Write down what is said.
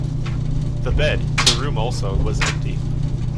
The bed, the room also, was empty.